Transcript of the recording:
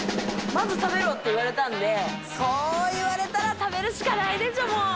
まず食べろって言われたんでそう言われたら食べるしかないでしょもう！